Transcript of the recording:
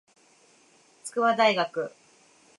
筑波大学